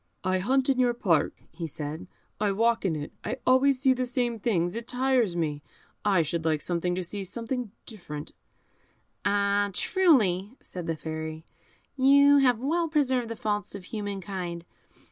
"I hunt in your park," he said; "I walk in it; I always see the same things, it tires me; I should like sometimes to see something different." "Ah! truly," said the Fairy, "you have well preserved the faults of human kind.